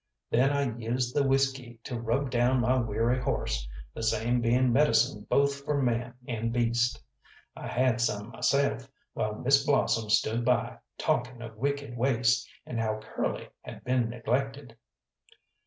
Then I used the whisky to rub down my weary horse, the same being medicine both for man and beast. I had some myself, while Miss Blossom stood by, talking of wicked waste, and how Curly had been neglected.